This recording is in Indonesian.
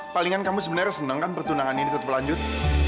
palingan kamu sebenernya seneng kan pertunangan ini tetep lanjut